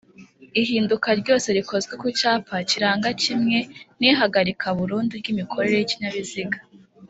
Ihinduka ryose rikozwe ku cyapa kiranga kimwe n'ihagarika burundu ry'imikorere y'ikinyabiziga